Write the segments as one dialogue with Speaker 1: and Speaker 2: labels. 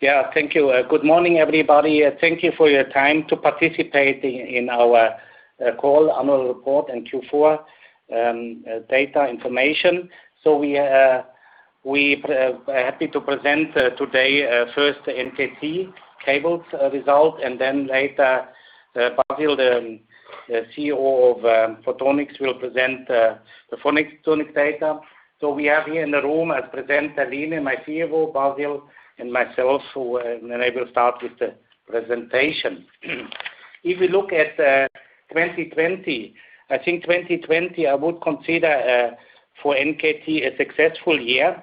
Speaker 1: Thank you. Good morning, everybody. Thank you for your time to participate in our call, annual report, and Q4 data information. We are happy to present today, first NKT Cables result, and then later, Basil, the CEO of Photonics will present the Photonics data. We have here in the room as presenter, Line, my CFO, Basil and myself. I will start with the presentation. If we look at 2020, I think 2020, I would consider for NKT, a successful year,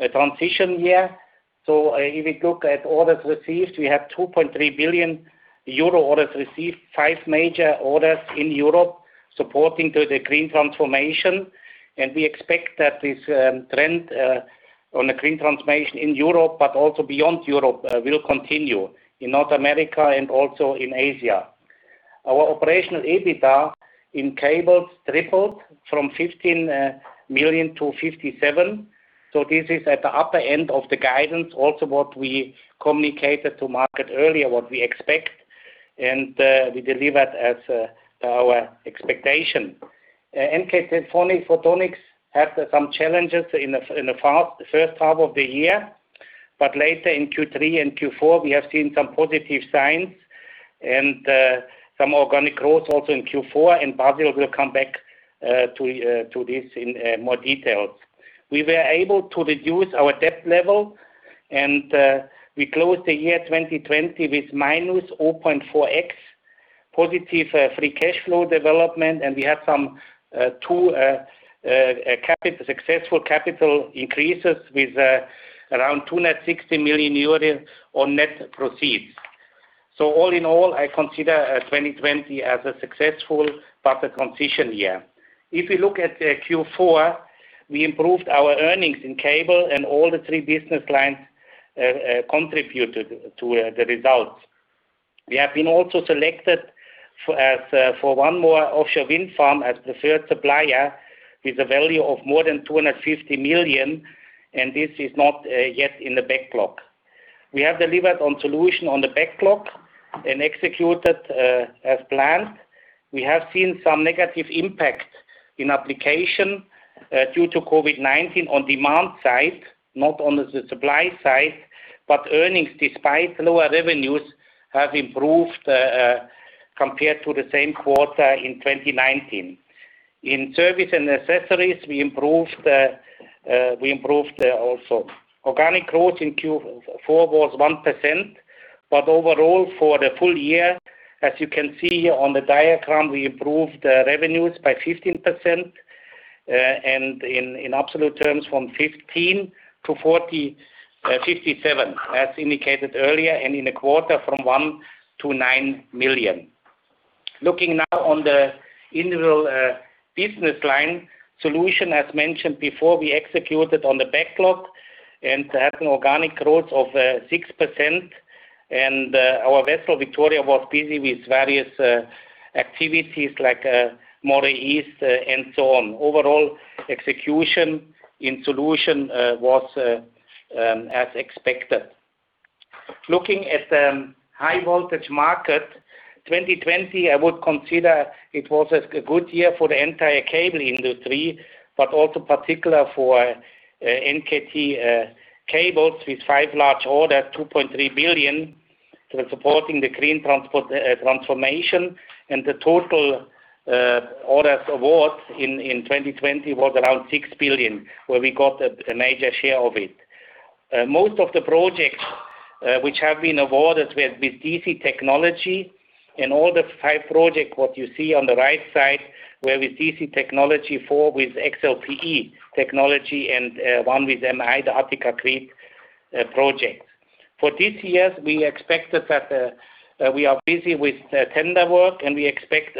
Speaker 1: a transition year. If we look at orders received, we have 2.3 billion euro orders received, five major orders in Europe supporting to the green transformation. We expect that this trend on the green transformation in Europe, but also beyond Europe, will continue in North America and also in Asia. Our operational EBITDA in Cables tripled from 15 million-57 million. This is at the upper end of the guidance, also what we communicated to market earlier, what we expect, and we delivered as our expectation. NKT Photonics had some challenges in the first half of the year, but later in Q3 and Q4, we have seen some positive signs and some organic growth also in Q4, and Basil will come back to this in more details. We were able to reduce our debt level, and we closed the year 2020 with minus 0.4x positive free cash flow development, and we had some two successful capital increases with around 260 million euros on net proceeds. All in all, I consider 2020 as a successful but a transition year. If you look at Q4, we improved our earnings in Cable and all the three business lines contributed to the results. We have been also selected for one more offshore wind farm as preferred supplier with a value of more than 250 million. This is not yet in the backlog. We have delivered on solution on the backlog and executed as planned. We have seen some negative impact in application due to COVID-19 on demand side, not on the supply side. Earnings, despite lower revenues, have improved compared to the same quarter in 2019. In service and accessories, we improved also. Organic growth in Q4 was 1%. Overall for the full year, as you can see here on the diagram, we improved revenues by 15%, and in absolute terms, from 15 million-57 million, as indicated earlier, and in a quarter, from 1 million-9 million. Looking now on the individual business line solution, as mentioned before, we executed on the backlog and had an organic growth of 6%. Our vessel, Victoria, was busy with various activities like Moray East and so on. Overall, execution in solution was as expected. Looking at the high voltage market, 2020, I would consider it was a good year for the entire cable industry, but also particular for NKT Cables with five large orders, 2.3 billion, supporting the green transformation, and the total orders awards in 2020 was around 6 billion, where we got a major share of it. Most of the projects which have been awarded were with DC technology and all the five project, what you see on the right side, were with DC technology, four with XLPE technology and one with MI, the Attica-Crete project. For this year, we are busy with tender work, and we expect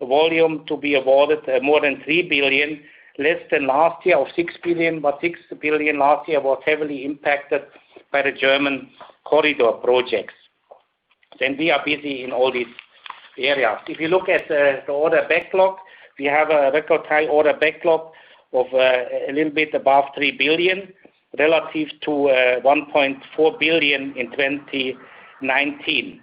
Speaker 1: volume to be awarded more than 3 billion, less than last year of 6 billion. 6 billion last year was heavily impacted by the German corridor projects. We are busy in all these areas. If you look at the order backlog, we have a record high order backlog of a little bit above 3 billion, relative to 1.4 billion in 2019.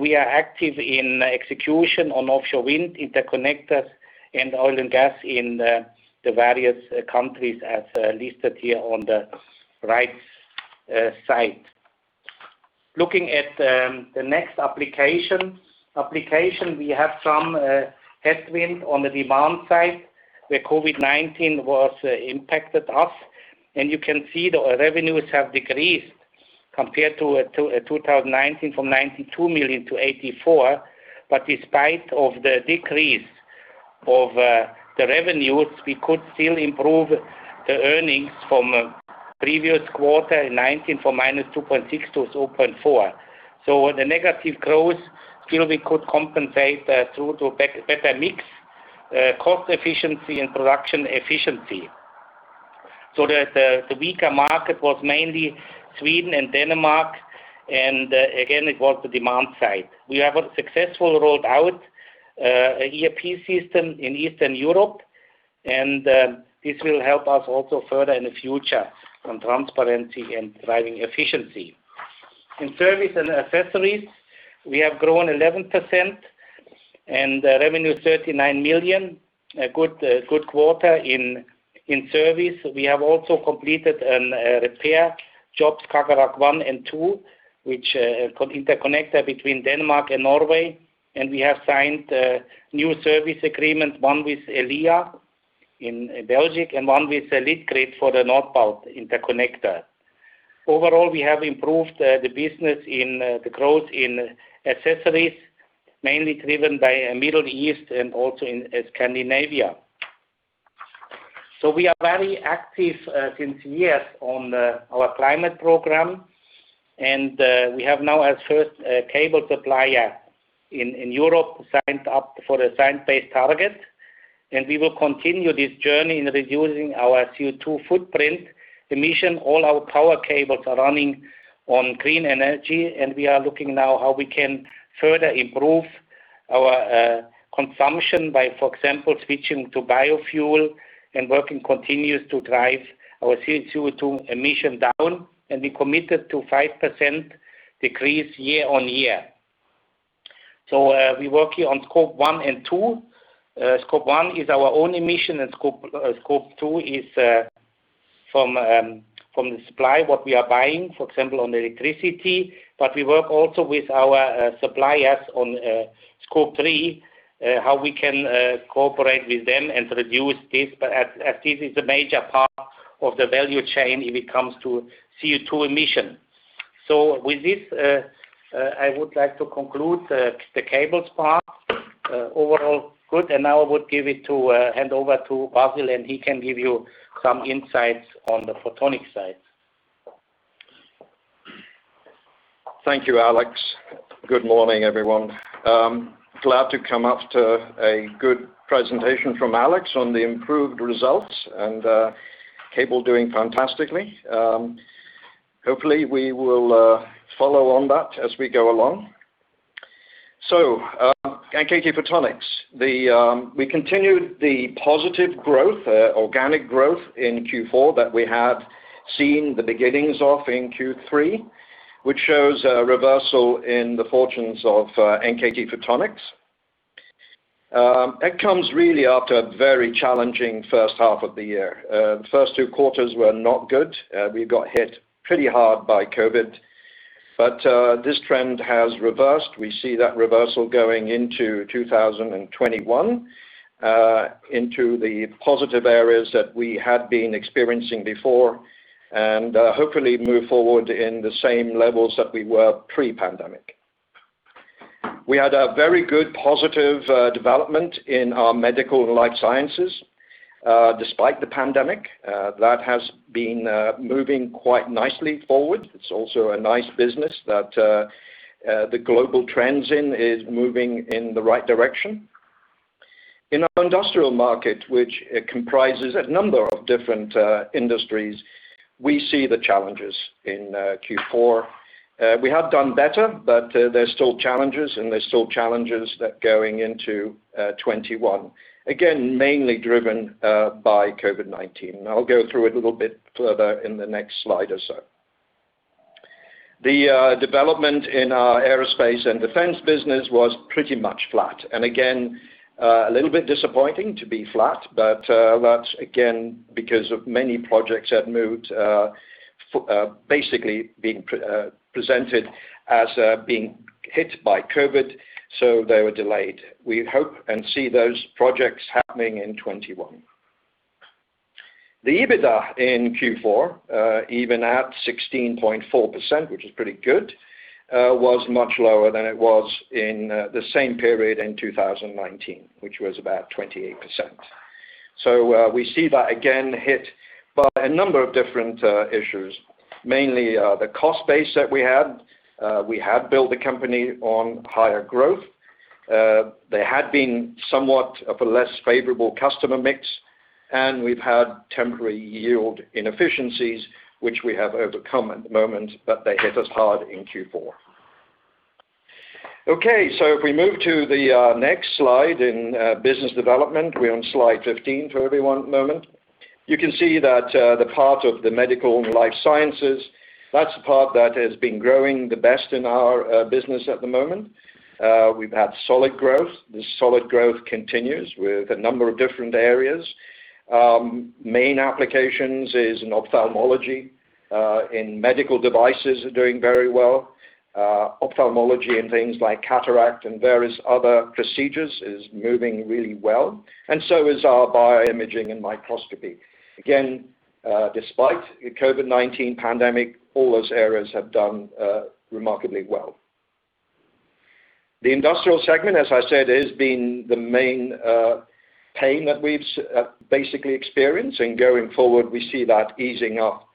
Speaker 1: We are active in execution on offshore wind interconnectors and oil and gas in the various countries as listed here on the right side. Looking at the next application. We have some headwinds on the demand side, where COVID-19 was impacted us, and you can see the revenues have decreased compared to 2019, from 92 million-84 million. Despite of the decrease of the revenues, we could still improve the earnings from previous quarter in 2019, from -2.6 million to -2.4 million. The negative growth still we could compensate through to better mix, cost efficiency and production efficiency. The weaker market was mainly Sweden and Denmark, and again, it was the demand side. We have successfully rolled out an ERP system in Eastern Europe, and this will help us also further in the future on transparency and driving efficiency. In service and accessories, we have grown 11%, and revenue 39 million. A good quarter in service. We have also completed repair jobs, Skagerrak 1 and 2, which interconnect between Denmark and Norway. We have signed a new service agreement, one with Elia in Belgium, and one with Litgrid for the NordBalt interconnector. Overall, we have improved the business in the growth in accessories, mainly driven by Middle East and also in Scandinavia. We are very active since years on our climate program, and we have now, as first cable supplier in Europe, signed up for the Science Based Target. We will continue this journey in reducing our CO2 footprint emission. All our power cables are running on green energy, we are looking now how we can further improve our consumption by, for example, switching to biofuel and working continuous to drive our CO2 emission down. We committed to 5% decrease year-on-year. We work here on Scope 1 and 2. Scope 1 is our own emission, Scope 2 is from the supply, what we are buying, for example, on electricity. We work also with our suppliers on Scope 3, how we can cooperate with them and reduce this, as this is a major part of the value chain if it comes to CO2 emission. With this, I would like to conclude the cables part. Overall good. Now I would hand over to Basil, and he can give you some insights on the photonic side.
Speaker 2: Thank you, Alex. Good morning, everyone. Glad to come after a good presentation from Alex on the improved results, cable doing fantastically. Hopefully, we will follow on that as we go along. NKT Photonics. We continued the positive growth, organic growth in Q4 that we had seen the beginnings of in Q3, which shows a reversal in the fortunes of NKT Photonics. It comes really after a very challenging first half of the year. First two quarters were not good. We got hit pretty hard by COVID-19, this trend has reversed. We see that reversal going into 2021, into the positive areas that we had been experiencing before, and hopefully move forward in the same levels that we were pre-pandemic. We had a very good, positive development in our medical life sciences, despite the pandemic. That has been moving quite nicely forward. It's also a nice business that the global trends in is moving in the right direction. In our industrial market, which comprises a number of different industries, we see the challenges in Q4. We have done better, but there's still challenges. There's still challenges that going into 2021, again, mainly driven by COVID-19. I'll go through it a little bit further in the next slide or so. The development in our aerospace and defense business was pretty much flat. Again, a little bit disappointing to be flat, but that's again, because of many projects had moved, basically being presented as being hit by COVID-19, so they were delayed. We hope and see those projects happening in 2021. The EBITDA in Q4, even at 16.4%, which is pretty good, was much lower than it was in the same period in 2019, which was about 28%. We see that again hit by a number of different issues, mainly the cost base that we had. We had built the company on higher growth. There had been somewhat of a less favorable customer mix, and we've had temporary yield inefficiencies, which we have overcome at the moment, but they hit us hard in Q4. If we move to the next slide in business development. We're on slide 15 for everyone at the moment. You can see that the part of the medical and life sciences, that's the part that has been growing the best in our business at the moment. We've had solid growth. The solid growth continues with a number of different areas. Main applications is in ophthalmology, in medical devices are doing very well. Ophthalmology and things like cataract and various other procedures is moving really well. So is our bioimaging and microscopy. Again, despite the COVID-19 pandemic, all those areas have done remarkably well. The industrial segment, as I said, has been the main pain that we've basically experienced, and going forward, we see that easing up,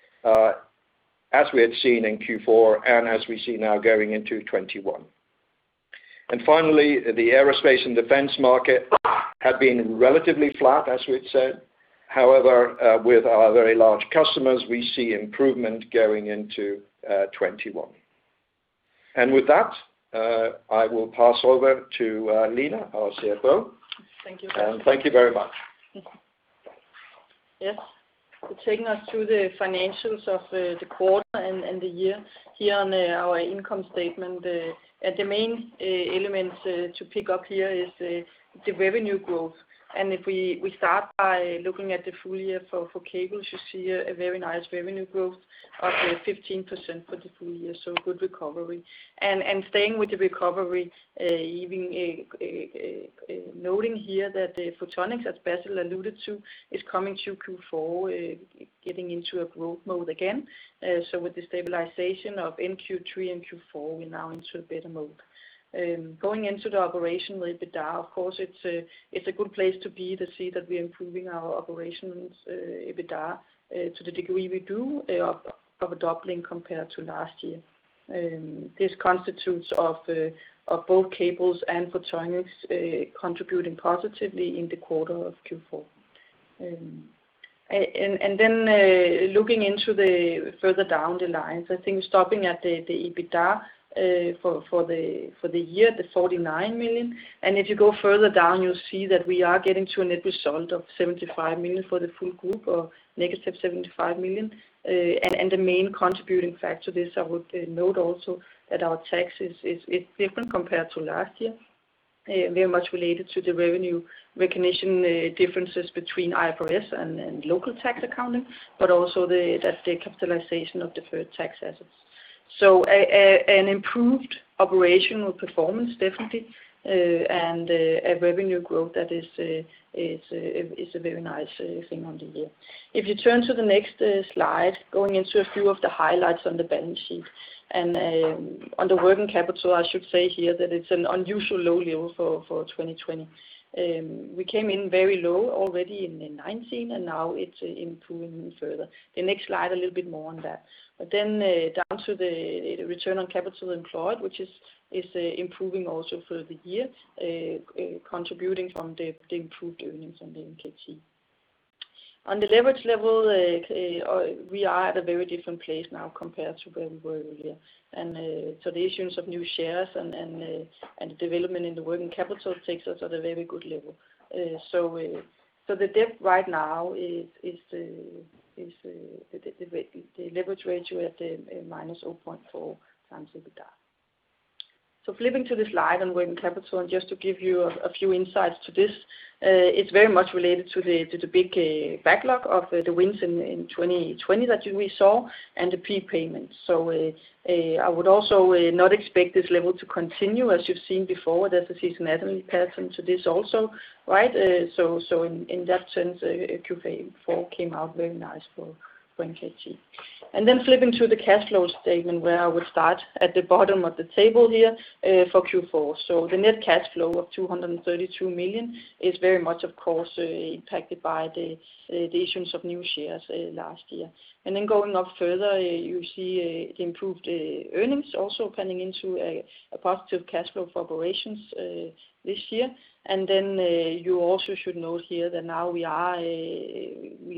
Speaker 2: as we had seen in Q4 and as we see now going into 2021. Finally, the aerospace and defense market have been relatively flat, as we had said. However, with our very large customers, we see improvement going into 2021. With that, I will pass over to Line, our CFO.
Speaker 3: Thank you.
Speaker 2: Thank you very much.
Speaker 3: Yes. Taking us through the financials of the quarter and the year. Here on our income statement, the main elements to pick up here is the revenue growth. If we start by looking at the full year for Cables, you see a very nice revenue growth of 15% for the full year, so good recovery. Staying with the recovery, even noting here that Photonics, as Basil alluded to, is coming to Q4, getting into a growth mode again. With the stabilization of in Q3 and Q4, we're now into a better mode. Going into the operational EBITDA, of course, it's a good place to be to see that we're improving our operations EBITDA to the degree we do of a doubling compared to last year. This constitutes of both Cables and Photonics contributing positively in the quarter of Q4. Looking into the further down the lines, I think stopping at the EBITDA, for the year, the 49 million, and if you go further down, you'll see that we are getting to a net result of 75 million for the full group or negative 75 million. The main contributing factor to this, I would note also that our tax is different compared to last year, very much related to the revenue recognition differences between IFRS and local tax accounting, but also that's the capitalization of deferred tax assets. An improved operational performance, definitely, and a revenue growth that is a very nice thing on the year. If you turn to the next slide, going into a few of the highlights on the balance sheet and on the working capital, I should say here that it's an unusually low level for 2020. We came in very low already in 2019. Now it's improving further. The next slide, a little bit more on that. Down to the return on capital employed, which is improving also for the year, contributing from the improved earnings on the NKT. On the leverage level, we are at a very different place now compared to where we were earlier. The issuance of new shares and the development in the working capital takes us at a very good level. The debt right now is the leverage ratio at the -0.4x EBITDA. Flipping to this slide on working capital, just to give you a few insights to this, it's very much related to the big backlog of the wins in 2020 that we saw and the prepayments. I would also not expect this level to continue, as you've seen before. There's a seasonality pattern to this also, right? In that sense, Q4 came out very nice for NKT. Flipping to the cash flow statement, where I will start at the bottom of the table here, for Q4. The net cash flow of 232 million is very much, of course, impacted by the issuance of new shares last year. Going up further, you see the improved earnings also panning into a positive cash flow for operations this year. You also should note here that now we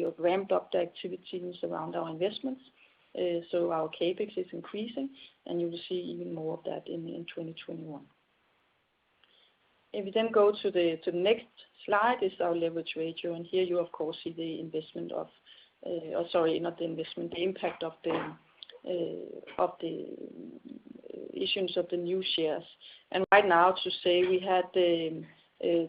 Speaker 3: have ramped up the activities around our investments. Our CapEx is increasing, and you will see even more of that in 2021. If we then go to the next slide, is our leverage ratio, and here you of course see Sorry, not the investment, the impact of the issuance of the new shares. Right now to say we had the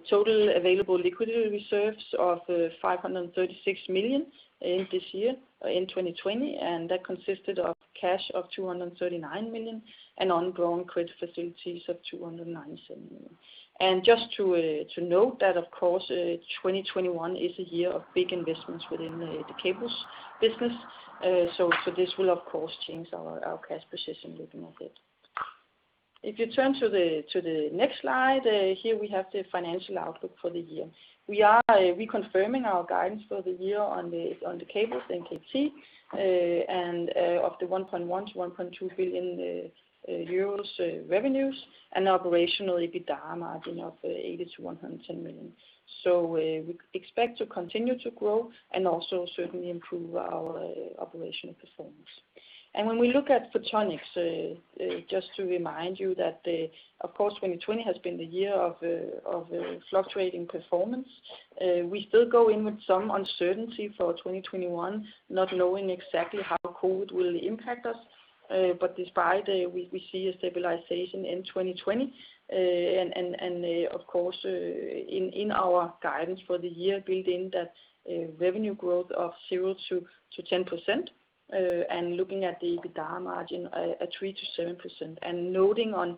Speaker 3: total available liquidity reserves of 536 million this year in 2020. That consisted of cash of 239 million and undrawn credit facilities of 297 million. Just to note that, of course, 2021 is a year of big investments within the Cables business. This will, of course, change our cash position looking ahead. If you turn to the next slide, here we have the financial outlook for the year. We are reconfirming our guidance for the year on the Cables, NKT, and of the 1.1 billion-1.2 billion euros revenues and operational EBITDA margin of 80 million-110 million. We expect to continue to grow and also certainly improve our operational performance. When we look at Photonics, just to remind you that, of course, 2020 has been the year of fluctuating performance. We still go in with some uncertainty for 2021, not knowing exactly how COVID-19 will impact us. Despite, we see a stabilization in 2020, and of course, in our guidance for the year, building that revenue growth of 0%-10% and looking at the EBITDA margin at 3%-7%. Noting on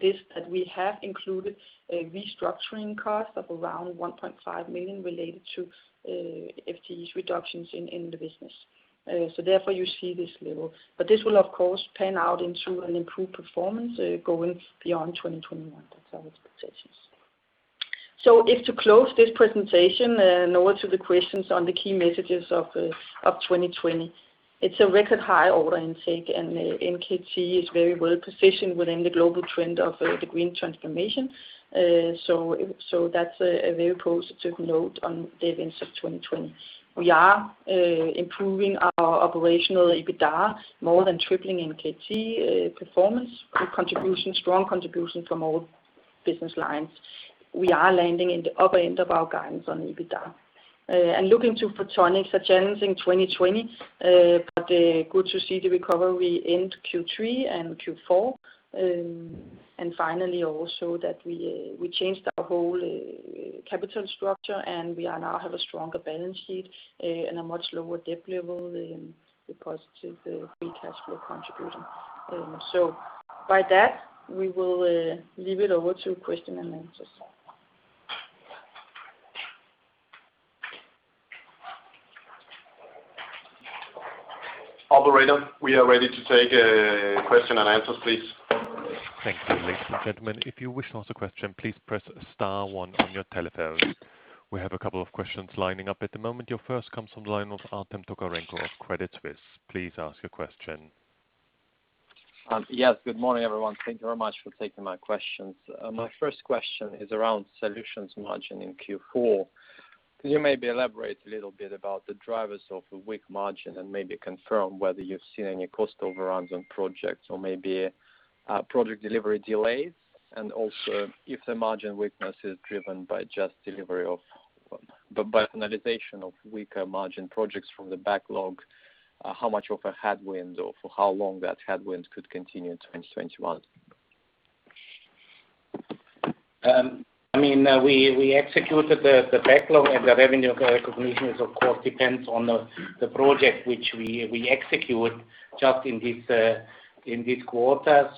Speaker 3: this that we have included restructuring costs of around 1.5 million related to FTEs reductions in the business. Therefore you see this level. This will of course pan out into an improved performance going beyond 2021. That's our expectations. If to close this presentation and over to the questions on the key messages of 2020. It's a record high order intake, NKT is very well positioned within the global trend of the green transformation. That's a very positive note on the events of 2020. We are improving our operational EBITDA, more than tripling NKT performance. Good contribution, strong contribution from all business lines. We are landing in the upper end of our guidance on EBITDA. Looking to Photonics, a challenging 2020, but good to see the recovery in Q3 and Q4. Finally, also that we changed our whole capital structure, and we now have a stronger balance sheet and a much lower debt level and a positive free cash flow contribution. By that, we will leave it over to question-and-answers.
Speaker 2: Operator, we are ready to take question and answers, please.
Speaker 4: Thank you. Ladies and gentlemen, if you wish to ask a question, please press star one on your telephones. We have a couple of questions lining up at the moment. Your first comes from the line of Artem Tokarenko of Credit Suisse. Please ask your question.
Speaker 5: Yes. Good morning, everyone. Thank you very much for taking my questions. My first question is around solutions margin in Q4. Could you maybe elaborate a little bit about the drivers of a weak margin and maybe confirm whether you've seen any cost overruns on projects or maybe project delivery delays? Also, if the margin weakness is driven by just finalization of weaker margin projects from the backlog, how much of a headwind or for how long that headwind could continue in 2021?
Speaker 1: We executed the backlog and the revenue recognition is of course depends on the project which we execute just in this quarter.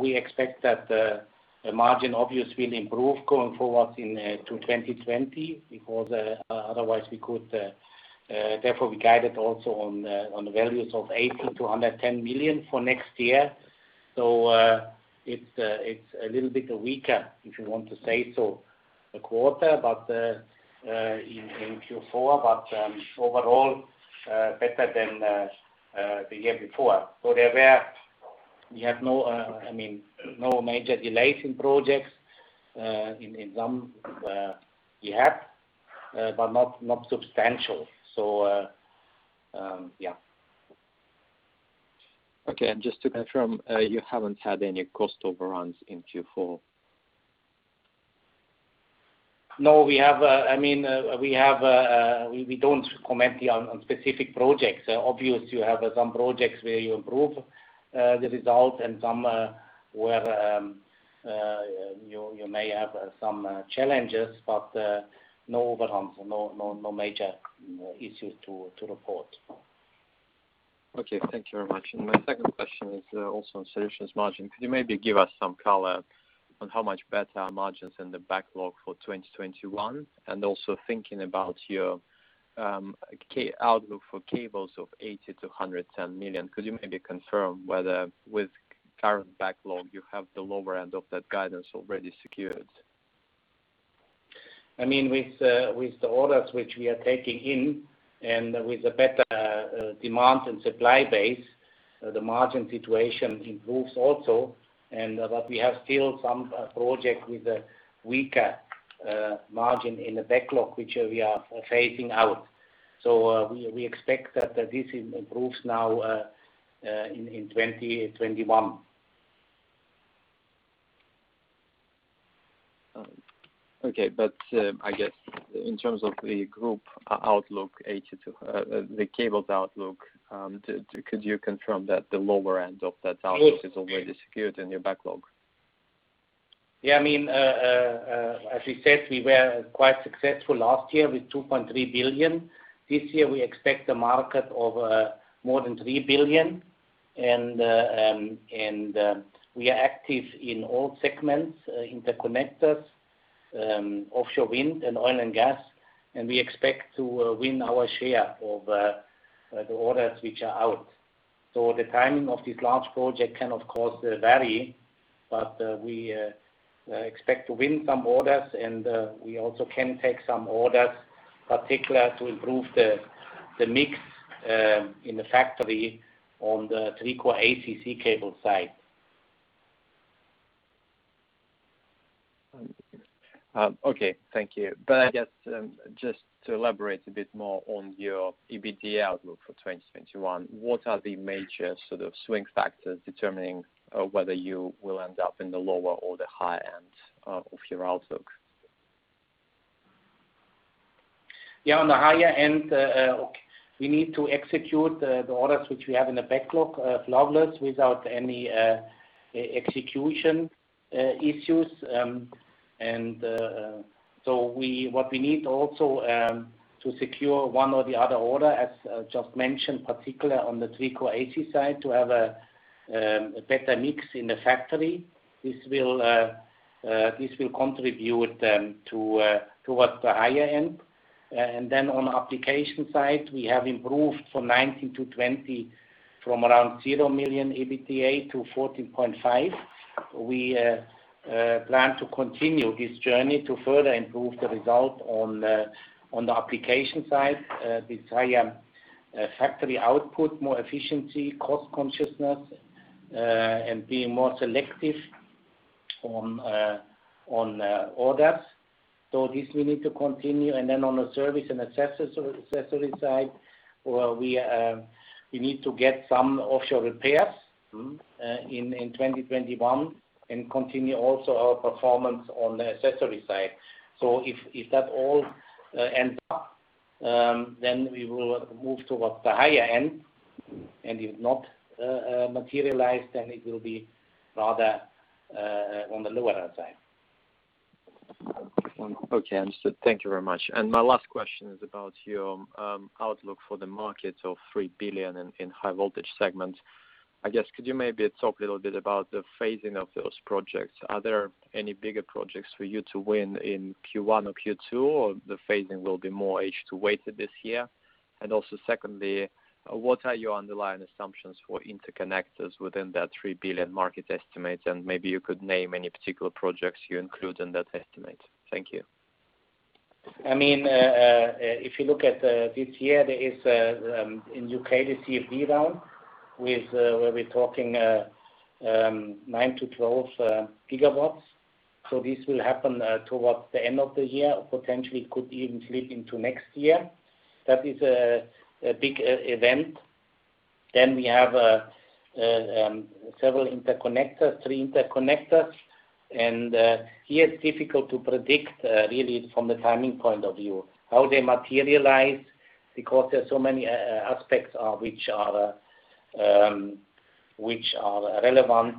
Speaker 1: We expect that the margin obviously will improve going forward through 2020 because otherwise. Therefore, we guided also on the values of 80 million-110 million for next year. It's a little bit weaker, if you want to say so, a quarter, in Q4, but overall, better than the year before. We had no major delays in projects. In some, we have, but not substantial. Yeah.
Speaker 5: Okay. Just to confirm, you haven't had any cost overruns in Q4?
Speaker 1: No, we don't comment on specific projects. Obviously, you have some projects where you improve the result and some where you may have some challenges, but no overruns. No major issues to report.
Speaker 5: Okay. Thank you very much. My second question is also on solutions margin. Could you maybe give us some color on how much better are margins in the backlog for 2021? Also thinking about your outlook for cables of 80 million-110 million, could you maybe confirm whether with current backlog you have the lower end of that guidance already secured?
Speaker 1: With the orders which we are taking in and with the better demand and supply base, the margin situation improves also. We have still some project with a weaker margin in the backlog, which we are phasing out. We expect that this improves now in 2021.
Speaker 5: Okay. I guess in terms of the group outlook, the cables outlook, could you confirm that the lower end of that outlook is already secured in your backlog?
Speaker 1: Yeah. As we said, we were quite successful last year with 2.3 billion. This year, we expect a market of more than 3 billion. We are active in all segments, interconnectors, offshore wind, and oil and gas, and we expect to win our share of the orders which are out. The timing of this large project can, of course, vary, but we expect to win some orders, and we also can take some orders, particular to improve the mix in the factory on the three-core AC cable side.
Speaker 5: Okay. Thank you. I guess, just to elaborate a bit more on your EBITDA outlook for 2021, what are the major sort of swing factors determining whether you will end up in the lower or the higher end of your outlook?
Speaker 1: Yeah, on the higher end, we need to execute the orders which we have in the backlog flawless, without any execution issues. What we need also to secure one or the other order, as just mentioned, particular on the three-core AC side, to have a better mix in the factory. This will contribute towards the higher end. On the application side, we have improved from 2019-2020 from around 0 million EBITDA to 14.5 million. We plan to continue this journey to further improve the result on the application side with higher factory output, more efficiency, cost consciousness and being more selective on orders. This we need to continue, on the service and accessories side, we need to get some offshore repairs in 2021 and continue also our performance on the accessories side. If that all ends up, then we will move towards the higher end. If not materialized, then it will be rather on the lower side.
Speaker 5: Okay, understood. Thank you very much. My last question is about your outlook for the market of 3 billion in high voltage segment. I guess, could you maybe talk a little bit about the phasing of those projects? Are there any bigger projects for you to win in Q1 or Q2, or the phasing will be more H2 weighted this year? Also, secondly, what are your underlying assumptions for interconnectors within that 3 billion market estimate? Maybe you could name any particular projects you include in that estimate. Thank you.
Speaker 1: If you look at this year, there is, in U.K., the CFD round, where we are talking 9 GW-12 GW. This will happen towards the end of the year, potentially could even slip into next year. That is a big event. We have several interconnectors, three interconnectors. Here it is difficult to predict really from the timing point of view, how they materialize, because there are so many aspects which are relevant.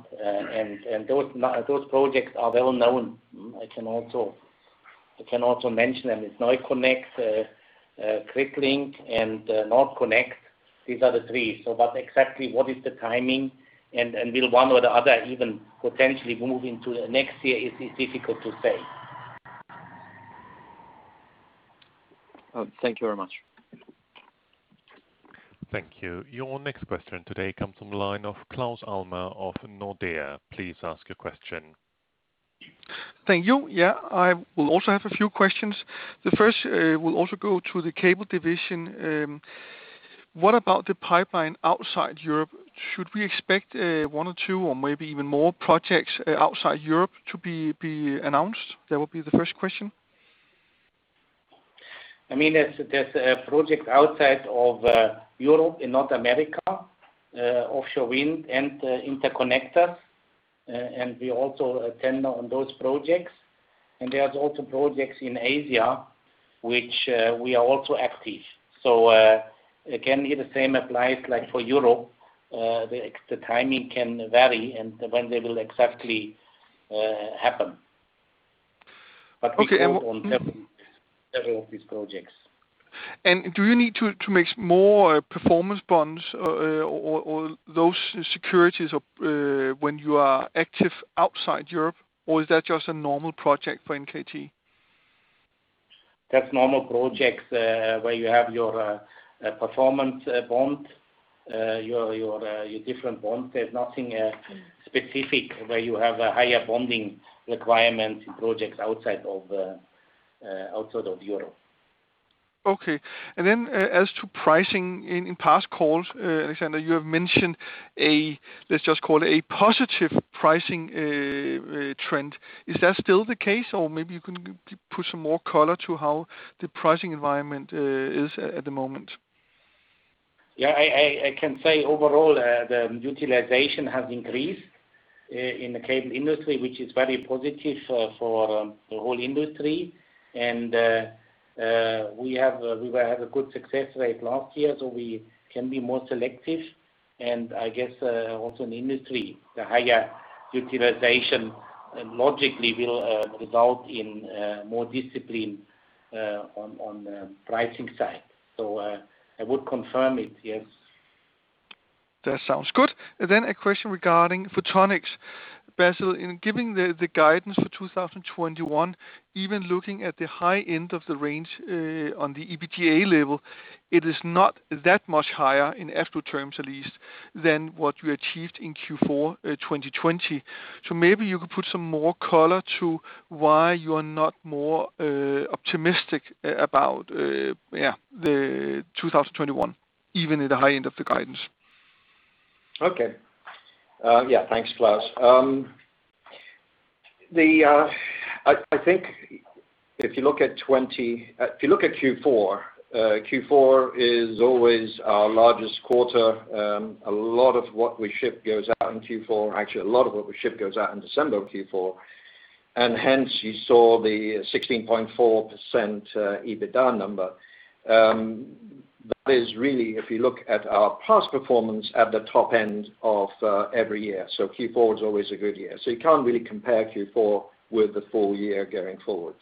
Speaker 1: Those projects are well-known. I can also mention them. It is NeuConnect, GridLink, and NorthConnect. These are the three. Exactly what is the timing, and will one or the other even potentially move into next year is difficult to say.
Speaker 5: Thank you very much.
Speaker 4: Thank you. Your next question today comes from the line of Claus Almer of Nordea. Please ask your question.
Speaker 6: Thank you. Yeah, I will also have a few questions. The first will also go to the cable division. What about the pipeline outside Europe? Should we expect one or two or maybe even more projects outside Europe to be announced? That would be the first question.
Speaker 1: There's a project outside of Europe in North America, offshore wind and interconnectors, and we also attend on those projects. There's also projects in Asia, which we are also active. Again, here the same applies like for Europe. The timing can vary and when they will exactly happen. We go on several of these projects.
Speaker 6: Do you need to make more performance bonds or those securities when you are active outside Europe? Is that just a normal project for NKT?
Speaker 1: That's normal projects where you have your performance bond, your different bonds. There's nothing specific where you have a higher bonding requirement in projects outside of Europe.
Speaker 6: Okay. Then as to pricing, in past calls, Alexander, you have mentioned a, let's just call it a positive pricing trend. Is that still the case? Maybe you can put some more color to how the pricing environment is at the moment.
Speaker 1: Yeah, I can say overall, the utilization has increased in the cable industry, which is very positive for the whole industry. We had a good success rate last year, so we can be more selective. I guess also in the industry, the higher utilization logically will result in more discipline on the pricing side. I would confirm it, yes.
Speaker 6: That sounds good. A question regarding Photonics. Basil, in giving the guidance for 2021, even looking at the high end of the range on the EBITDA level, it is not that much higher in actual terms at least, than what you achieved in Q4 2020. Maybe you could put some more color to why you are not more optimistic about 2021, even at the high end of the guidance.
Speaker 2: Okay. Yeah, thanks, Claus. I think if you look at Q4 is always our largest quarter. A lot of what we ship goes out in Q4. Actually, a lot of what we ship goes out in December of Q4, and hence you saw the 16.4% EBITDA number. That is really, if you look at our past performance, at the top end of every year. Q4 is always a good year. You can't really compare Q4 with the full year going forward.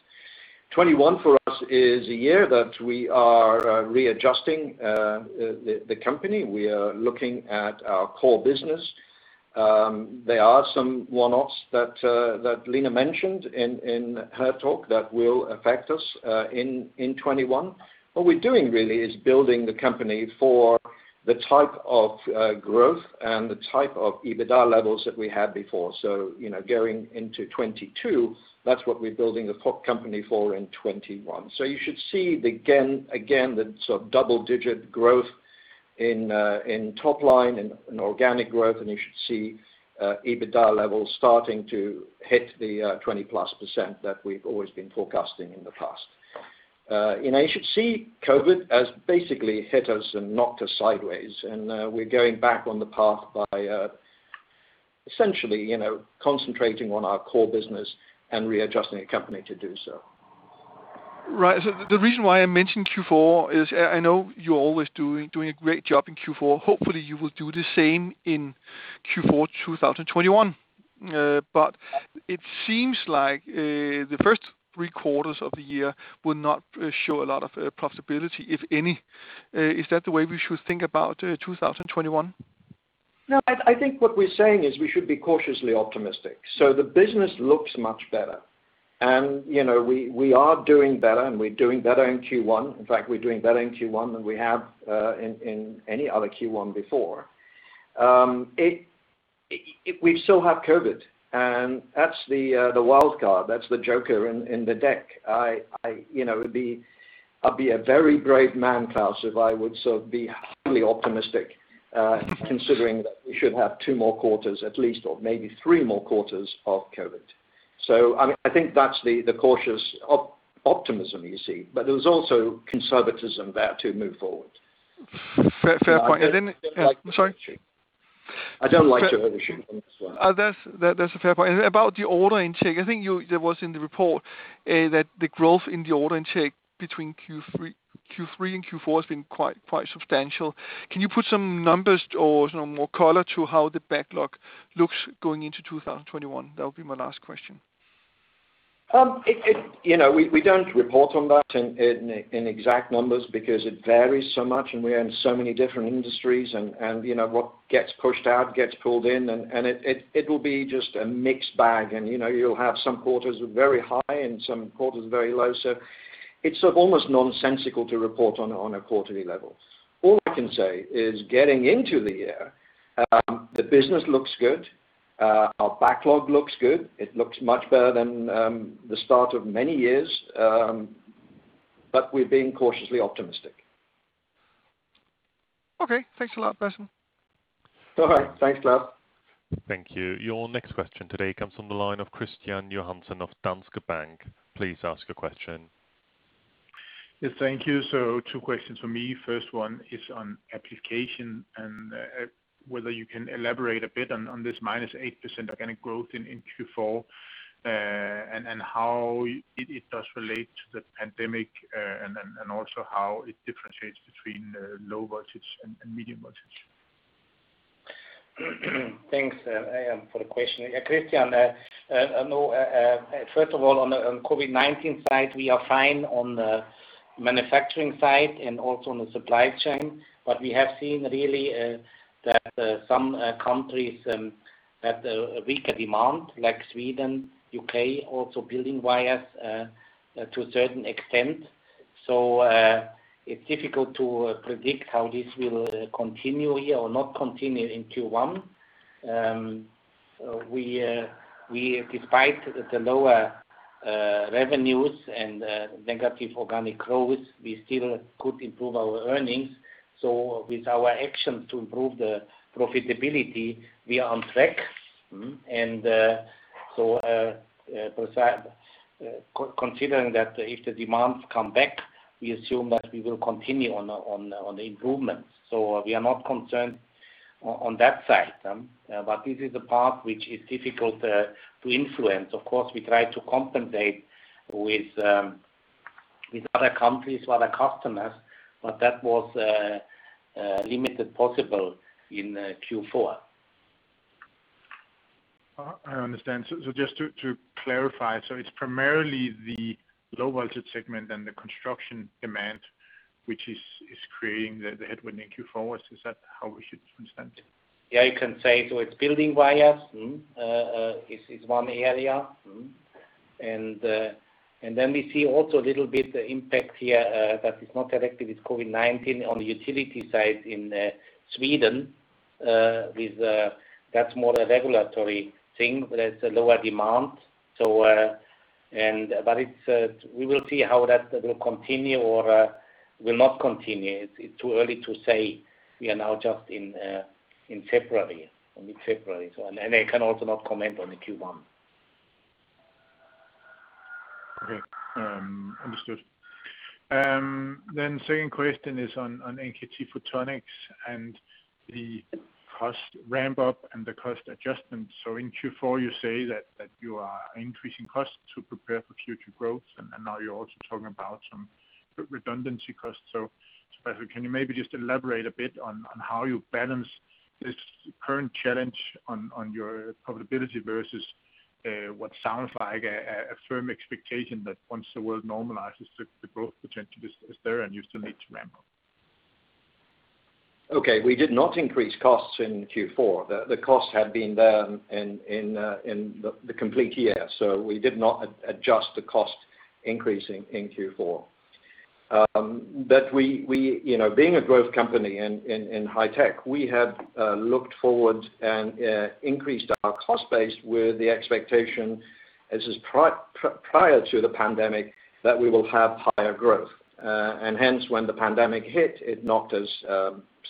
Speaker 2: 2021 for us is a year that we are readjusting the company. We are looking at our core business. There are some one-offs that Line mentioned in her talk that will affect us in 2021. What we're doing really is building the company for the type of growth and the type of EBITDA levels that we had before. Going into 2022, that's what we're building the company for in 2021. You should see again, the double-digit growth in top line, in organic growth, and you should see EBITDA levels starting to hit the 20%-plus that we've always been forecasting in the past. You should see COVID-19 has basically hit us and knocked us sideways, and we're going back on the path by essentially concentrating on our core business and readjusting the company to do so.
Speaker 6: Right. The reason why I mentioned Q4 is I know you're always doing a great job in Q4. Hopefully, you will do the same in Q4 2021. It seems like the first three quarters of the year will not show a lot of profitability, if any. Is that the way we should think about 2021?
Speaker 2: I think what we're saying is we should be cautiously optimistic. The business looks much better. We are doing better, and we're doing better in Q1. In fact, we're doing better in Q1 than we have in any other Q1 before. We still have COVID-19, and that's the wild card. That's the joker in the deck. I'd be a very brave man, Claus, if I would be highly optimistic considering that we should have two more quarters at least, or maybe three more quarters of COVID-19. I think that's the cautious optimism you see. There's also conservatism there to move forward.
Speaker 6: Fair point.
Speaker 2: I don't like to overshoot.
Speaker 6: Sorry?
Speaker 2: I don't like to overshoot on this one.
Speaker 6: That's a fair point. About the order intake, I think it was in the report that the growth in the order intake between Q3 and Q4 has been quite substantial. Can you put some numbers or some more color to how the backlog looks going into 2021? That would be my last question.
Speaker 2: We don't report on that in exact numbers because it varies so much. We're in so many different industries. What gets pushed out, gets pulled in, and it will be just a mixed bag. You'll have some quarters very high and some quarters very low. It's almost nonsensical to report on a quarterly level. All I can say is getting into the year, the business looks good. Our backlog looks good. It looks much better than the start of many years. We're being cautiously optimistic.
Speaker 6: Okay. Thanks a lot, Basil.
Speaker 2: All right. Thanks, Claus.
Speaker 4: Thank you. Your next question today comes from the line of Kristian Johansen of Danske Bank. Please ask your question.
Speaker 7: Yes, thank you. Two questions from me. First one is on application and whether you can elaborate a bit on this minus 8% organic growth in Q4, and how it does relate to the pandemic, and also how it differentiates between low voltage and medium voltage.
Speaker 1: Thanks for the question. Kristian, first of all, on COVID-19 side, we are fine on the manufacturing side and also on the supply chain. We have seen really that some countries had a weaker demand, like Sweden, U.K., also Building Wires to a certain extent. It's difficult to predict how this will continue here or not continue in Q1. We, despite the lower revenues and negative organic growth, we still could improve our earnings. With our actions to improve the profitability, we are on track. Considering that if the demands come back, we assume that we will continue on the improvements. We are not concerned on that side. This is a part which is difficult to influence. Of course, we try to compensate with other countries, other customers, but that was limited possible in Q4.
Speaker 7: I understand. Just to clarify, so it's primarily the low-voltage segment and the construction demand which is creating the headwind in Q4. Is that how we should understand it?
Speaker 1: Yeah, you can say. It's Building Wires is one area. We see also a little bit impact here that is not directly with COVID-19 on the utility side in Sweden. That's more a regulatory thing. There's a lower demand. We will see how that will continue or will not continue. It's too early to say. We are now just in February, I can also not comment on the Q1.
Speaker 7: Okay. Understood. Second question is on NKT Photonics and the cost ramp-up and the cost adjustments. In Q4, you say that you are increasing costs to prepare for future growth, and now you're also talking about some redundancy costs. Basil, can you maybe just elaborate a bit on how you balance this current challenge on your profitability versus what sounds like a firm expectation that once the world normalizes, the growth potential is there and you still need to ramp up?
Speaker 2: Okay. We did not increase costs in Q4. The cost had been there in the complete year. We did not adjust the cost increase in Q4. Being a growth company in high tech, we had looked forward and increased our cost base with the expectation, this is prior to the pandemic, that we will have higher growth. When the pandemic hit, it knocked us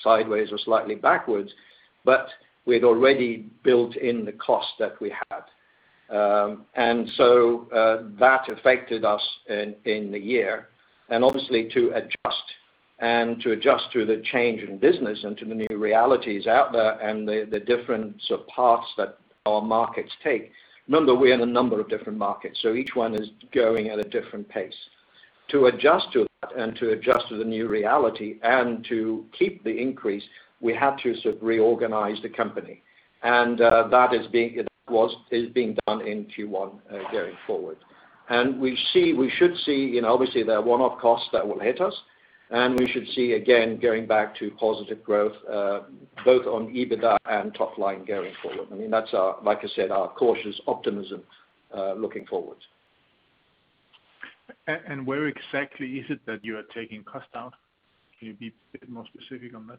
Speaker 2: sideways or slightly backwards, but we'd already built in the cost that we had. That affected us in the year. Obviously, to adjust and to adjust to the change in business and to the new realities out there and the difference of paths that our markets take. Remember, we're in a number of different markets, so each one is going at a different pace. To adjust to that and to adjust to the new reality and to keep the increase, we had to reorganize the company. That is being done in Q1 going forward. We should see, obviously, there are one-off costs that will hit us, and we should see, again, going back to positive growth, both on EBITDA and top line going forward. That's, like I said, our cautious optimism looking forward.
Speaker 7: Where exactly is it that you are taking cost out? Can you be a bit more specific on that?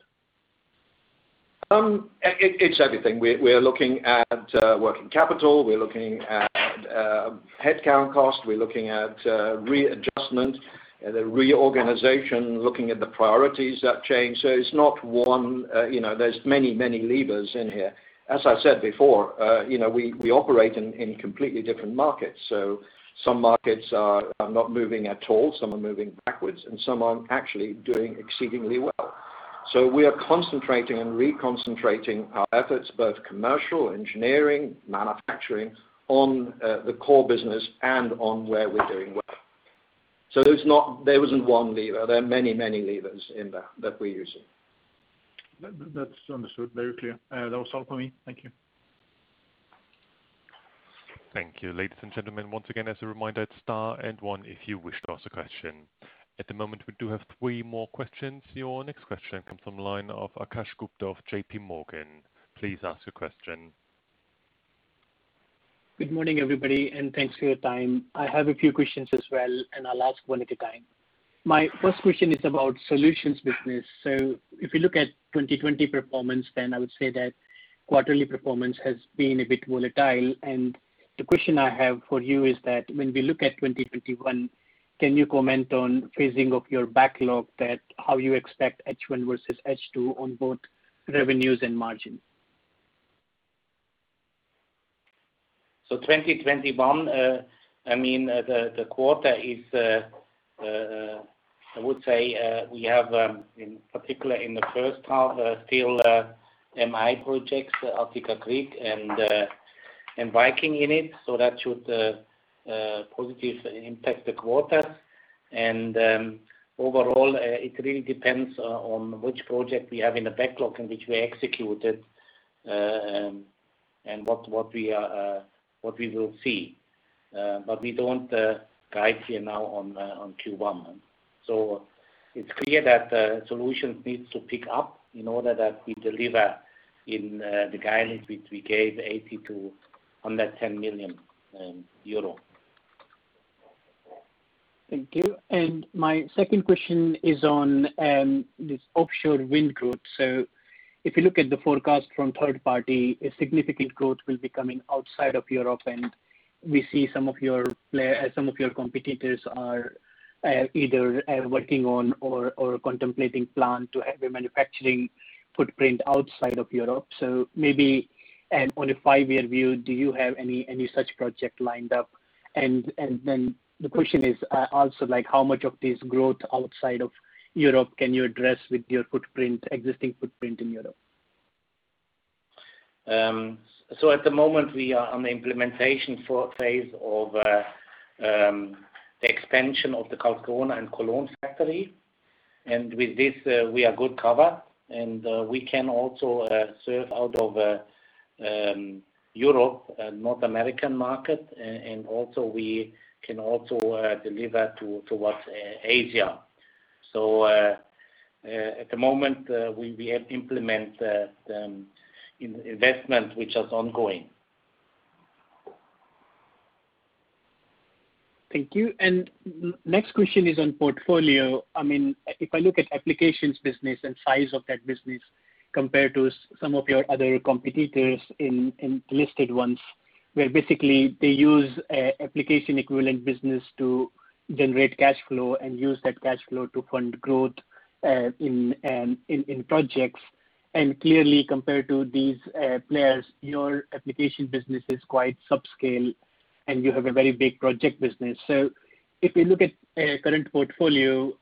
Speaker 2: It's everything. We're looking at working capital. We're looking at headcount cost. We're looking at readjustment, the reorganization, looking at the priorities that change. It's not one. There's many, many levers in here. As I said before, we operate in completely different markets. Some markets are not moving at all, some are moving backwards, and some are actually doing exceedingly well. We are concentrating and reconcentrating our efforts, both commercial, engineering, manufacturing, on the core business and on where we're doing well. There wasn't one lever. There are many, many levers in there that we're using.
Speaker 7: That's understood. Very clear. That was all for me. Thank you.
Speaker 4: Thank you. Ladies and gentlemen, once again, as a reminder, it's star and one if you wish to ask a question. At the moment, we do have three more questions. Your next question comes from the line of Akash Gupta of JPMorgan. Please ask your question.
Speaker 8: Good morning, everybody, thanks for your time. I have a few questions as well, I'll ask one at a time. My first question is about solutions business. If you look at 2020 performance, I would say that quarterly performance has been a bit volatile. The question I have for you is that when we look at 2021, can you comment on phasing of your backlog, that how you expect H1 versus H2 on both revenues and margin?
Speaker 1: 2021, the quarter is, I would say, we have, in particular in the first half, still MI projects, Attica-Crete and Viking in it. That should positively impact the quarter. Overall, it really depends on which project we have in the backlog and which we executed, and what we will see. We don't guide here now on Q1. It's clear that solutions needs to pick up in order that we deliver in the guidance which we gave, 80 million-110 million euro.
Speaker 8: Thank you. My second question is on this offshore wind growth. If you look at the forecast from third party, a significant growth will be coming outside of Europe, and we see some of your competitors are either working on or contemplating plan to have a manufacturing footprint outside of Europe. Maybe on a five-year view, do you have any such project lined up? Then the question is also, how much of this growth outside of Europe can you address with your existing footprint in Europe?
Speaker 1: At the moment, we are on the implementation phase of the expansion of the Karlskrona and Cologne factory. With this, we are good cover, and we can also serve out of Europe and North American market. Also, we can also deliver towards Asia. At the moment, we implement investment, which is ongoing.
Speaker 8: Thank you. Next question is on portfolio. If I look at applications business and size of that business compared to some of your other competitors in listed ones, where basically they use application equivalent business to generate cash flow and use that cash flow to fund growth in projects. Clearly, compared to these players, your application business is quite subscale, and you have a very big project business. If you look at current portfolio,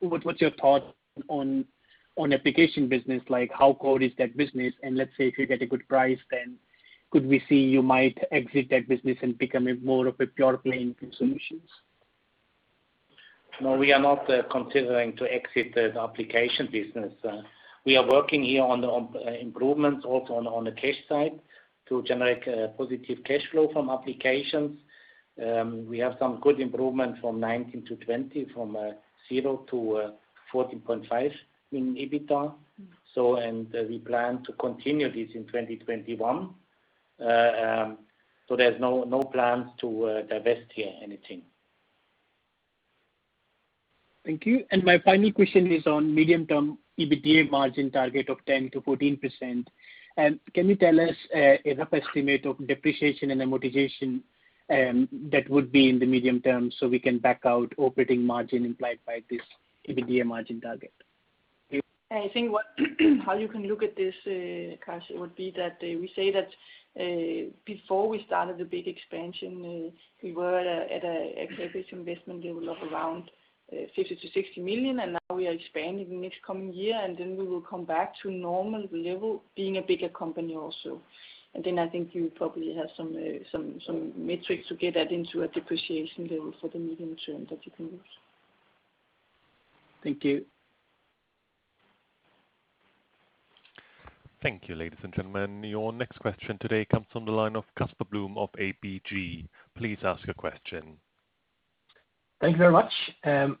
Speaker 8: what's your thought on application business? How core is that business? Let's say if you get a good price, then could we see you might exit that business and become more of a pure play in solutions?
Speaker 1: No, we are not considering to exit the application business. We are working here on the improvements also on the cash side to generate positive cash flow from applications. We have some good improvement from 2019-2020, from 0 million-14.5 million in EBITDA. We plan to continue this in 2021. There's no plans to divest here anything.
Speaker 8: Thank you. My final question is on medium-term EBITDA margin target of 10%-14%. Can you tell us a rough estimate of depreciation and amortization that would be in the medium term so we can back out operating margin implied by this EBITDA margin target?
Speaker 3: I think how you can look at this, Akash, it would be that we say that before we started the big expansion, we were at a CapEx investment level of around 50 million-60 million, and now we are expanding next coming year, and then we will come back to normal level, being a bigger company also. Then I think you probably have some metrics to get that into a depreciation level for the medium term that you can use.
Speaker 8: Thank you.
Speaker 4: Thank you, ladies and gentlemen. Your next question today comes from the line of Casper Blom of ABG. Please ask your question.
Speaker 9: Thank you very much.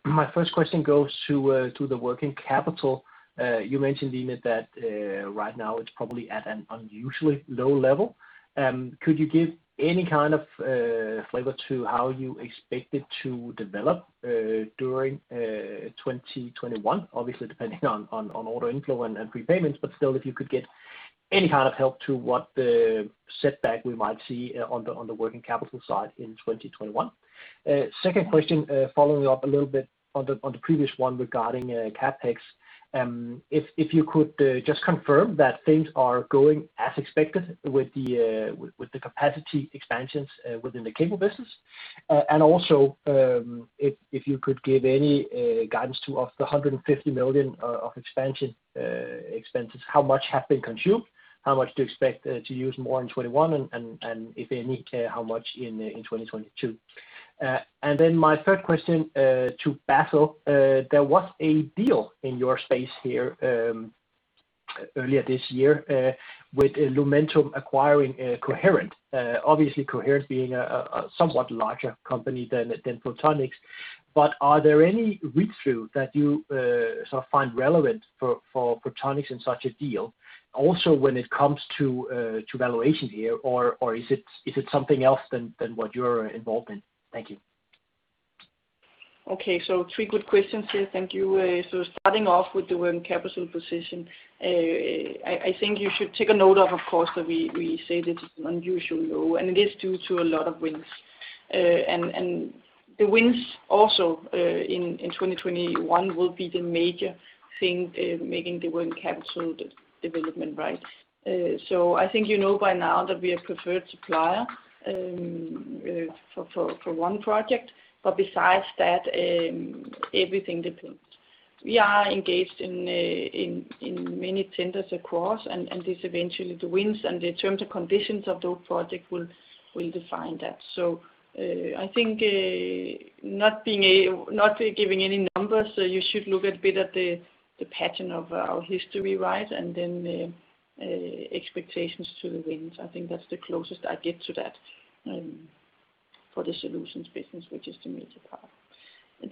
Speaker 9: My first question goes to the working capital. You mentioned, Line, that right now it's probably at an unusually low level. Could you give any kind of flavor to how you expect it to develop during 2021? Obviously, depending on order inflow and prepayments, but still, if you could give any kind of help to what the setback we might see on the working capital side in 2021. Second question, following up a little bit on the previous one regarding CapEx. If you could just confirm that things are going as expected with the capacity expansions within the cable business. Also, if you could give any guidance to of the 150 million of expansion expenses, how much have been consumed, how much do you expect to use more in 2021, and if any, how much in 2022? My third question to Basil. There was a deal in your space here earlier this year with Lumentum acquiring Coherent. Obviously, Coherent being a somewhat larger company than Photonics. Are there any read-through that you sort of find relevant for Photonics in such a deal? Also when it comes to valuations here, or is it something else than what you're involved in? Thank you.
Speaker 3: Okay. Three good questions here. Thank you. Starting off with the working capital position. I think you should take a note of course, that we say that it's unusually low, and it is due to a lot of wins. The wins also in 2021 will be the major thing making the working capital development right. I think you know by now that we are preferred supplier for one project, but besides that, everything depends. We are engaged in many tenders across, and this eventually the wins and the terms and conditions of those project will define that. I think not giving any numbers, you should look a bit at the pattern of our history rise and then expectations to the wins. I think that's the closest I get to that for the solutions business, which is the major part.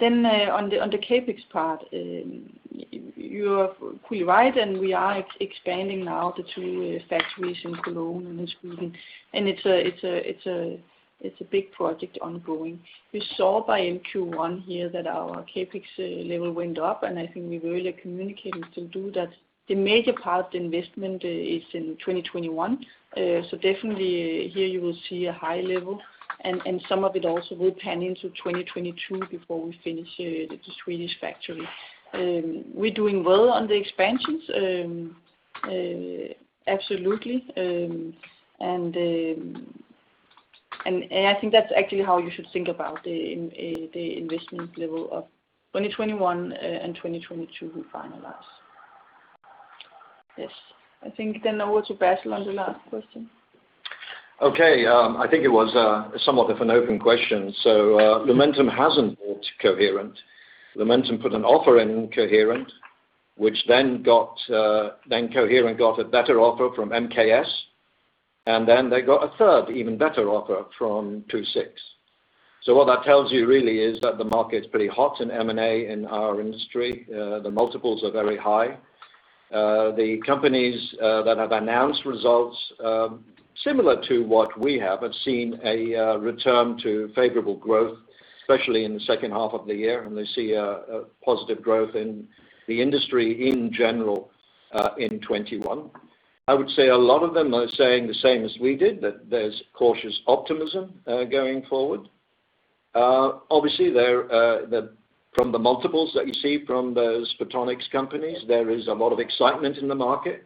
Speaker 3: On the CapEx part. You are quite right. We are expanding now the two factories in Cologne and in Sweden. It's a big project ongoing. We saw by Q1 here that our CapEx level went up. I think we've earlier communicated to do that. The major part investment is in 2021. Definitely here you will see a high level. Some of it also will pan into 2022 before we finish the Swedish factory. We're doing well on the expansions. Absolutely. I think that's actually how you should think about the investment level of 2021 and 2022 we finalize. Yes. I think over to Basil on the last question.
Speaker 2: Okay. I think it was somewhat of an open question. Lumentum hasn't bought Coherent. Lumentum put an offer in Coherent. Coherent got a better offer from MKS. They got a third even better offer from II-VI. What that tells you really is that the market's pretty hot in M&A in our industry. The multiples are very high. The companies that have announced results, similar to what we have seen a return to favorable growth, especially in the second half of the year. They see a positive growth in the industry in general in 2021. I would say a lot of them are saying the same as we did, that there's cautious optimism going forward. Obviously, from the multiples that you see from those Photonics companies, there is a lot of excitement in the market,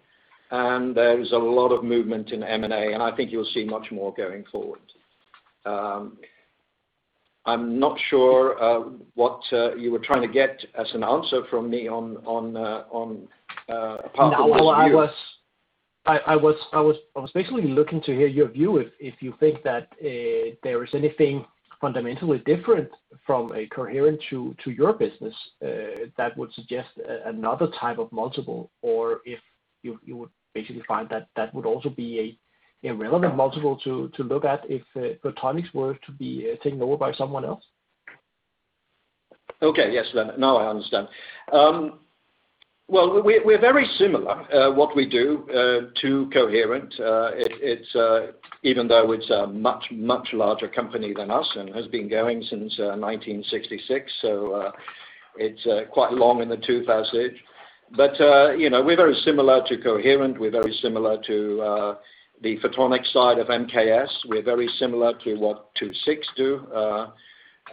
Speaker 2: and there's a lot of movement in M&A, and I think you'll see much more going forward. I'm not sure what you were trying to get as an answer from me on a possible view.
Speaker 9: No. I was basically looking to hear your view, if you think that there is anything fundamentally different from a Coherent to your business that would suggest another type of multiple, or if you would basically find that that would also be a relevant multiple to look at if Photonics were to be taken over by someone else?
Speaker 2: Okay. Yes, then now I understand. We're very similar, what we do, to Coherent, even though it's a much, much larger company than us and has been going since 1966, so it's quite long in the tooth as it. We're very similar to Coherent. We're very similar to the Photonics side of MKS. We're very similar to what II-VI do.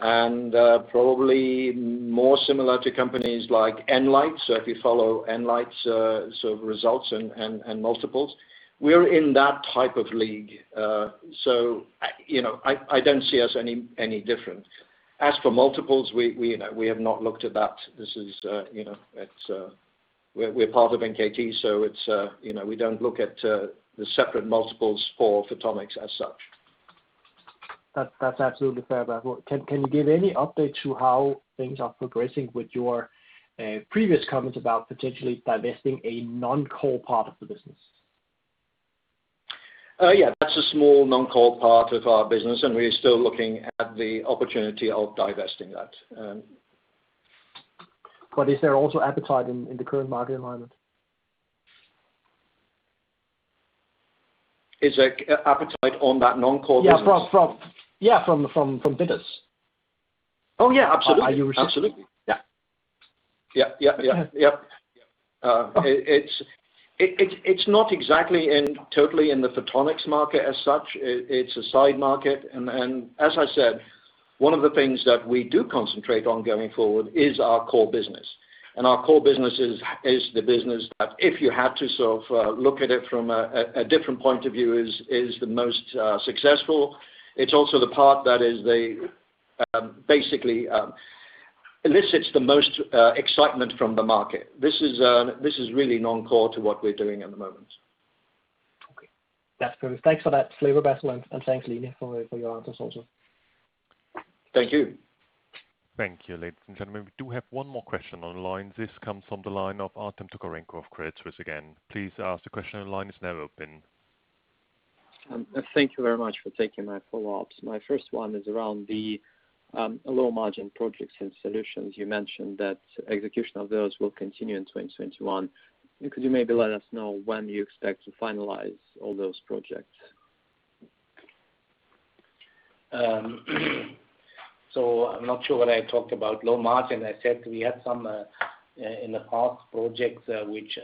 Speaker 2: Probably more similar to companies like nLIGHT. If you follow nLIGHT's sort of results and multiples, we're in that type of league. I don't see us any different. As for multiples, we have not looked at that. We're part of NKT, so we don't look at the separate multiples for Photonics as such.
Speaker 9: That's absolutely fair. Can you give any update to how things are progressing with your previous comments about potentially divesting a non-core part of the business?
Speaker 2: Yeah. That's a small, non-core part of our business, and we're still looking at the opportunity of divesting that.
Speaker 9: Is there also appetite in the current market environment?
Speaker 2: Is there appetite on that non-core business?
Speaker 9: Yeah. From bidders.
Speaker 2: Oh, yeah. Absolutely.
Speaker 9: Are you receiving.
Speaker 2: Absolutely.
Speaker 9: Yeah.
Speaker 2: Yeah. It's not exactly totally in the Photonics market as such. It's a side market. As I said, one of the things that we do concentrate on going forward is our core business. Our core business is the business that if you had to sort of look at it from a different point of view is the most successful. It's also the part that basically elicits the most excitement from the market. This is really non-core to what we're doing at the moment.
Speaker 9: Okay. That's good. Thanks for that flavor, Basil, and thanks, Line, for your answers also.
Speaker 2: Thank you.
Speaker 4: Thank you, ladies and gentlemen. We do have one more question on the line. This comes from the line of Artem Tokarenko, Credit Suisse again. Please ask the question. The line is now open.
Speaker 5: Thank you very much for taking my follow-ups. My first one is around the low-margin projects and solutions. You mentioned that execution of those will continue in 2021. Could you maybe let us know when you expect to finalize all those projects?
Speaker 1: I'm not sure what I talked about low margin. I said we had some, in the past, projects which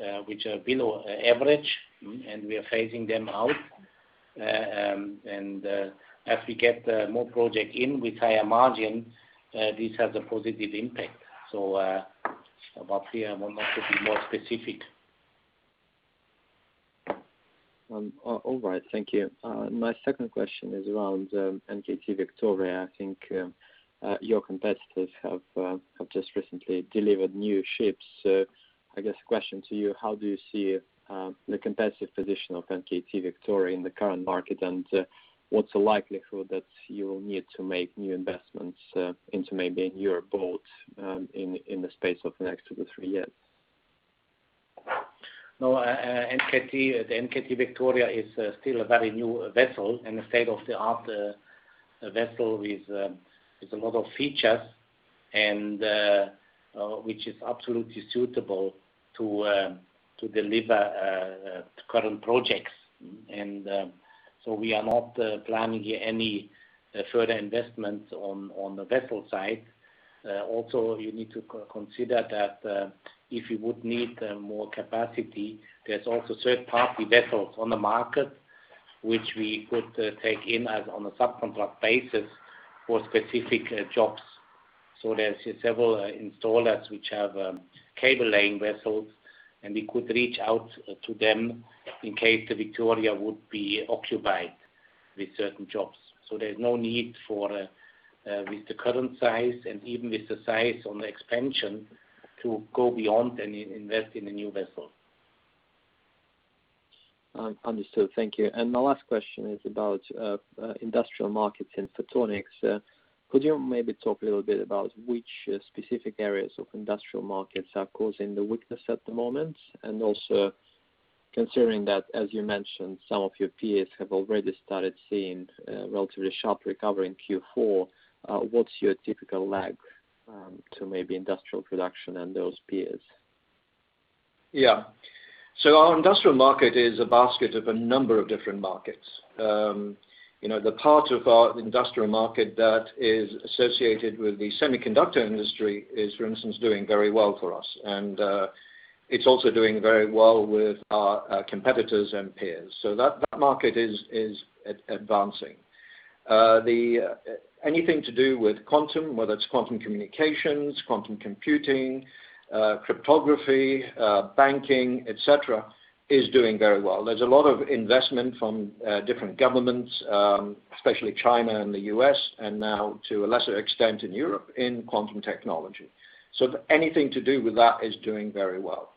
Speaker 1: are below average, and we are phasing them out. As we get more project in with higher margin, these have the positive impact. Here, I will not be more specific.
Speaker 5: All right. Thank you. My second question is around NKT Victoria. I think your competitors have just recently delivered new ships. I guess question to you, how do you see the competitive position of NKT Victoria in the current market? What's the likelihood that you will need to make new investments into maybe newer boats in the space of the next two to three years?
Speaker 1: No. NKT Victoria is still a very new vessel and a state-of-the-art vessel with a lot of features, and which is absolutely suitable to deliver current projects. We are not planning any further investments on the vessel side. Also, you need to consider that if you would need more capacity, there's also third-party vessels on the market, which we could take in as on a subcontract basis for specific jobs. There's several installers which have cable laying vessels, and we could reach out to them in case the Victoria would be occupied with certain jobs. There's no need for with the current size and even with the size on the expansion to go beyond and invest in a new vessel.
Speaker 5: Understood. Thank you. My last question is about industrial markets in Photonics. Could you maybe talk a little bit about which specific areas of industrial markets are causing the weakness at the moment? Also considering that, as you mentioned, some of your peers have already started seeing a relatively sharp recovery in Q4, what's your typical lag to maybe industrial production and those peers?
Speaker 2: Yeah. Our industrial market is a basket of a number of different markets. The part of our industrial market that is associated with the semiconductor industry is, for instance, doing very well for us. It's also doing very well with our competitors and peers. That market is advancing. Anything to do with quantum, whether it's quantum communications, quantum computing, cryptography, banking, et cetera, is doing very well. There's a lot of investment from different governments, especially China and the U.S., and now to a lesser extent in Europe, in quantum technology. Anything to do with that is doing very well.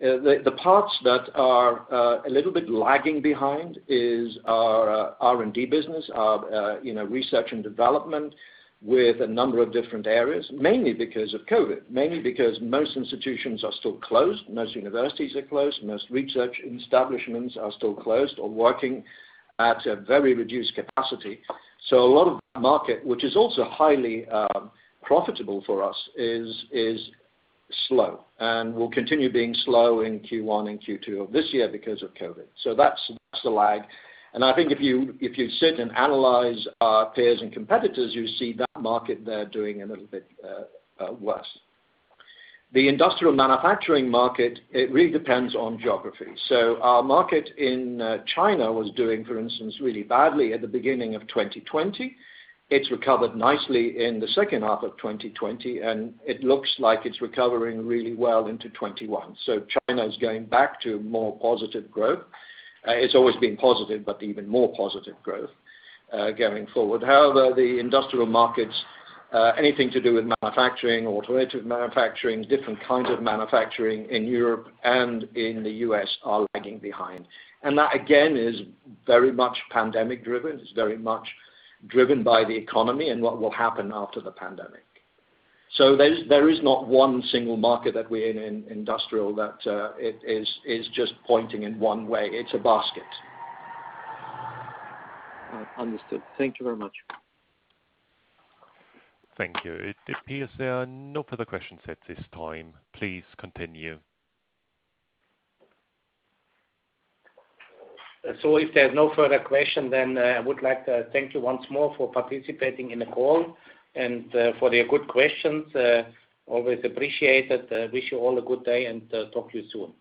Speaker 2: The parts that are a little bit lagging behind is our R&D business, our research and development with a number of different areas, mainly because of COVID, mainly because most institutions are still closed. Most universities are closed. Most research establishments are still closed or working at a very reduced capacity. A lot of that market, which is also highly profitable for us, is slow and will continue being slow in Q1 and Q2 of this year because of COVID. That's the lag. I think if you sit and analyze our peers and competitors, you see that market there doing a little bit worse. The industrial manufacturing market, it really depends on geography. Our market in China was doing, for instance, really badly at the beginning of 2020. It's recovered nicely in the second half of 2020, and it looks like it's recovering really well into 2021. China is going back to more positive growth. It's always been positive, but even more positive growth going forward. However, the industrial markets, anything to do with manufacturing, automated manufacturing, different kinds of manufacturing in Europe and in the U.S. are lagging behind. That, again, is very much pandemic driven. It's very much driven by the economy and what will happen after the pandemic. There is not one single market that we're in industrial that it is just pointing in one way. It's a basket.
Speaker 5: Understood. Thank you very much.
Speaker 4: Thank you. It appears there are no further questions at this time. Please continue.
Speaker 1: If there's no further question, then I would like to thank you once more for participating in the call and for the good questions. Always appreciate it. Wish you all a good day, and talk to you soon.